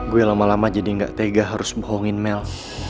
gue lama lama jadi nggak tega harus bohongin mel